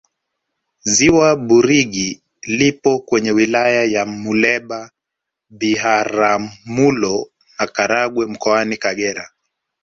ziwa burigi lipo kwenye wilaya za muleba biharamulo na karagwe mkoani kagera